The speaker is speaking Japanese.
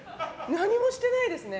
何もしてないですね。